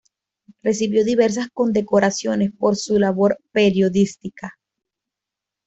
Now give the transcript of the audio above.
Recibió diversas condecoraciones por su labor periodística.